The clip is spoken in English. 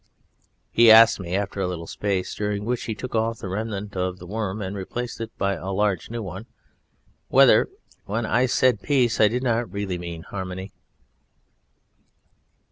He asked me, after a little space, during which he took off the remnant of the worm and replaced it by a large new one, whether when I said "Peace" I did not really mean "Harmony."